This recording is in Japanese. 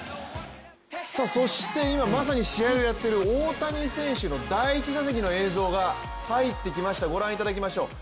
今まさに試合をやっている大谷選手の第１打席の映像が入ってきました、ご覧いただきましょう。